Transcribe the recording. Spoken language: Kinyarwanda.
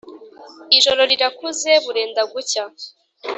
Ijoro rirakuze burenda gucya